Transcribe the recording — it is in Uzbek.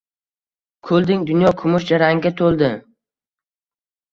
Kulding, dunyo kumush jarangga to‘ldi.